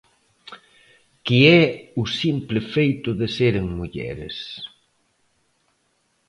Que é o simple feito de seren mulleres?